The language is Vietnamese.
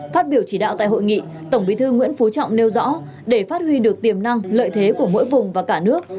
phát biểu chỉ đạo tại hội nghị tổng bí thư nguyễn phú trọng nêu rõ để phát huy được tiềm năng lợi thế của mỗi vùng và cả nước